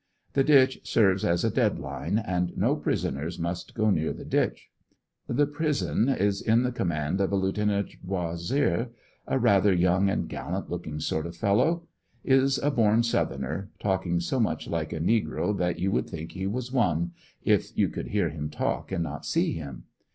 The ditch serves as a dead line, and no prisoners must go near the ditch. The prison is in command of a Lieut. Bossieux, a rather young and gallant lookin<^ sort of fellow. Is a born Southerner, talking so much like a negro that you would thmk he was one, if you could hear him talk and not see him.